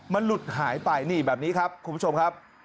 มันหลุดหายไปนี่แบบนี้ครับคุณผู้ชมครับ